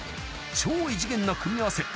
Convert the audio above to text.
超異次元な組み合わせ］